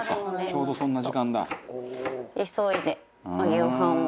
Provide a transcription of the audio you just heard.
ちょうどそんな時間だ」